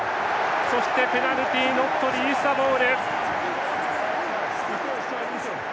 そしてペナルティーノットリリースザボール！